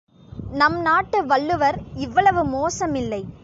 நம் நாட்டு வள்ளுவர் இவ்வளவு மோசமில்லை.